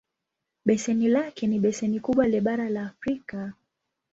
Beseni lake ni beseni kubwa le bara la Afrika.